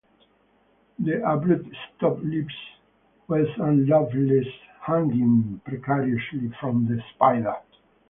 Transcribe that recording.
The abrupt stop leaves West and Loveless hanging precariously from the spider.